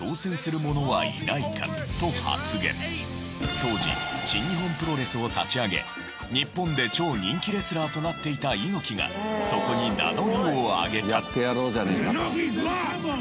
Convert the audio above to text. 当時新日本プロレスを立ち上げ日本で超人気レスラーとなっていた猪木がそこに名乗りを上げた。